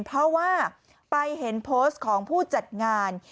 เพราะว่าไปเห็นโพสต์ของผู้จัดงาน